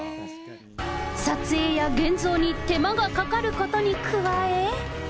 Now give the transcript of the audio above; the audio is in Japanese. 撮影や現像に手間がかかることに加え。